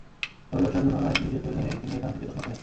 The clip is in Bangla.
তবে ব্যবসার জন্য নয়, নিজের প্রয়োজনেই তিনি এখান থেকে চশমা কেনেন।